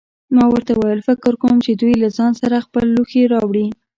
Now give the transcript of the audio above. ما ورته وویل: فکر کوم چې دوی له ځان سره خپل لوښي راوړي.